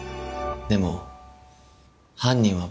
でも犯人は。